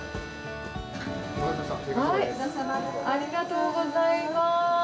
中華そばありがとうございます。